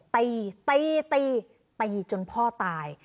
ตีตีตีตีจนพ่อตาย